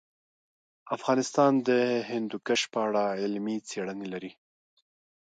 افغانستان د هندوکش په اړه علمي څېړنې لري.